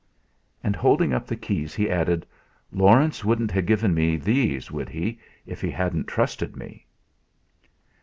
And, holding up the keys, he added: "Laurence wouldn't have given me these, would he, if he hadn't trusted me?"